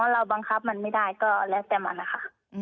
เราบังคับมันไม่ได้ก็แล้วแต่มันนะคะ